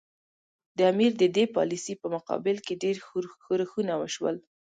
د امیر د دې پالیسي په مقابل کې ډېر ښورښونه وشول.